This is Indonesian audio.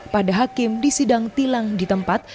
pada hakim di sidang tilang di tempat